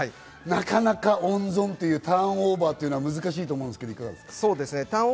なかなか温存というターンオーバーは難しいと思うんですが、いかがですか？